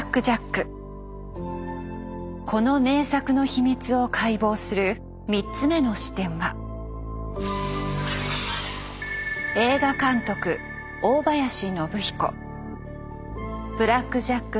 この名作の秘密を解剖する３つ目の視点は「ブラック・ジャック」